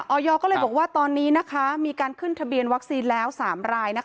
อยก็เลยบอกว่าตอนนี้มีการขึ้นทะเบียนวัคซีนแล้ว๓ราย